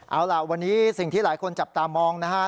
เอาล่ะวันนี้สิ่งที่หลายคนจับตามองนะฮะ